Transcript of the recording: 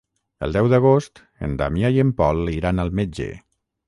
El deu d'agost en Damià i en Pol iran al metge.